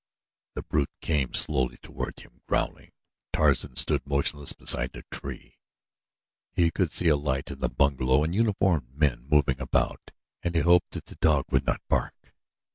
The brute came slowly toward him, growling. Tarzan stood motionless beside a tree. He could see a light in the bungalow and uniformed men moving about and he hoped that the dog would not bark.